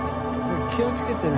気を付けてね。